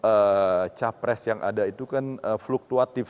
karena capres yang ada itu kan fluktuatif